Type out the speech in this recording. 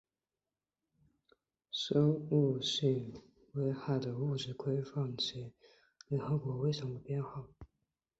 生物性危害的物质规范于下列的联合国危险货物编号